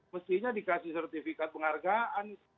mestinya dikasih sertifikat penghargaan